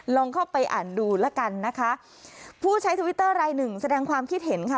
ลองเข้าไปอ่านดูแล้วกันนะคะผู้ใช้ทวิตเตอร์รายหนึ่งแสดงความคิดเห็นค่ะ